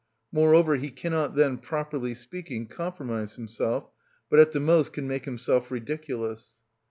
Moreover, he cannot then, properly speaking, compromise himself, but at the most can make himself ridiculous.